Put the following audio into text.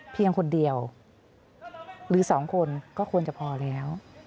เพียงคนเดียวหรือสองคนก็ควรจะพอแล้ว